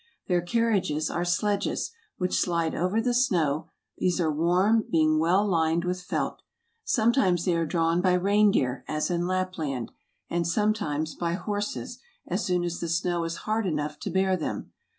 Their carriages are sledges, which slide over the snow; these are warm, being well lined with felt. Sometimes they are drawn by rein deer, as in Lapland, and sometimes by horses, as soon as the snow is hard enough to bear them.